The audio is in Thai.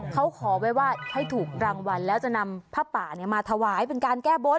เขาขอไว้ว่าให้ถูกรางวัลแล้วจะนำผ้าป่ามาถวายเป็นการแก้บน